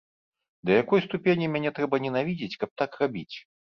Да якой ступені мяне трэба ненавідзець, каб так рабіць?